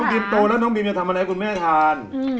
ยิมโตแล้วน้องบีมจะทำอะไรให้คุณแม่ทาน